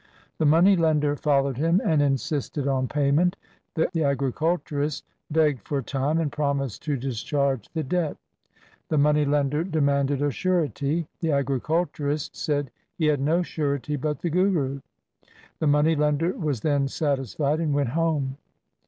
The money lender followed him and insisted on payment. The agriculturist begged for time, and promised to discharge the debt. The money lender demanded a surety. The agriculturist said he had no suiety but the Guru. The money lender was then satisfied and went home.